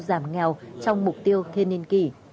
giảm nghèo trong mục tiêu thiên niên kỷ